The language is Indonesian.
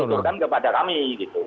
bu elsa dituturkan kepada kami gitu